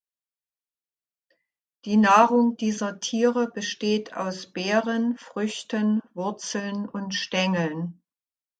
Die Nahrung dieser Tiere besteht aus Beeren, Früchten, Wurzeln und Stängeln.